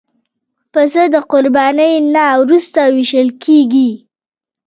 پسه د قربانۍ نه وروسته وېشل کېږي.